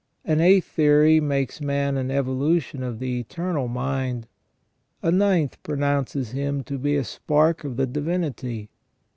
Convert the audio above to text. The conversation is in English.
An eighth theory makes man an evolution of the eternal mind. A ninth pronounces him to be a spark of the divinity.